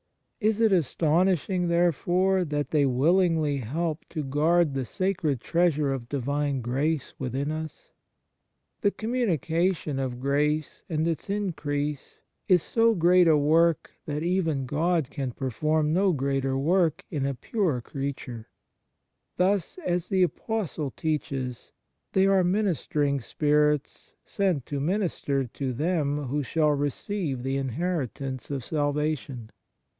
Is it astonishing, therefore, that they willingly help to guard the sacred treasure of Divine grace within us ? The communication of grace and its increase is so great a work that even God can perform no greater work in a pure creature. Thus, as the Apostle teaches, they are " minister ing spirits sent to minister to them who shall receive the inheritance of salvation."